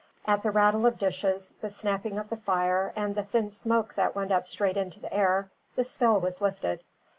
At the rattle of dishes, the snapping of the fire, and the thin smoke that went up straight into the air, the spell was lifted.